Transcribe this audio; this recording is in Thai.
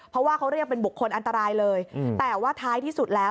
เพราะว่าเขาเรียกเป็นบุคคลอันตรายเลยแต่ว่าท้ายที่สุดแล้ว